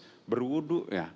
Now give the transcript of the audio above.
harus berwuduk ya